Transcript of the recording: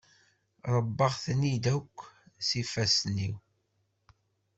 Rebbaɣ-ten-id akk s yifassen-iw.